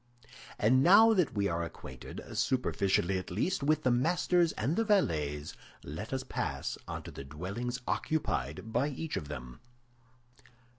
And now that we are acquainted, superficially at least, with the masters and the valets, let us pass on to the dwellings occupied by each of them.